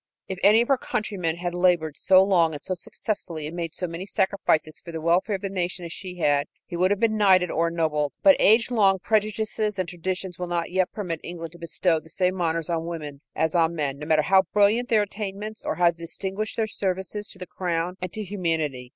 If any of her countrymen had labored so long and so successfully and made so many sacrifices for the welfare of the nation as she had, he would have been knighted or ennobled. But age long prejudices and traditions will not yet permit England to bestow the same honors on women as on men, no matter how brilliant their attainments or how distinguished their services to the crown and to humanity.